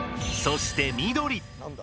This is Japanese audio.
そして緑。